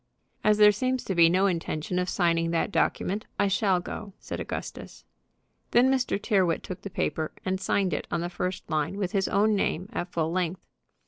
"As there seems to be no intention of signing that document, I shall go," said Augustus. Then Mr. Tyrrwhit took the paper, and signed it on the first line with his own name at full length.